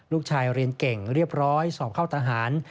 ลูกชายเรียนเก่งเรียบร้อยสอบเข้าทหาร